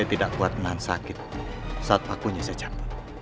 dia tidak kuat menahan sakit saat pakunya sejam